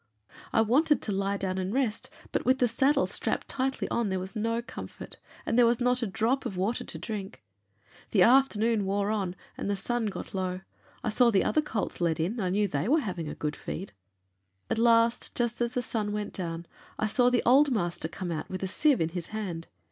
I wanted to lie down and rest, but with the saddle strapped tightly on there was no comfort, and there was not a drop of water to drink. The afternoon wore on, and the sun got low. I saw the other colts led in, and I knew they were having a good feed. "At last, just as the sun went down, I saw the old master come out with a sieve in his hand.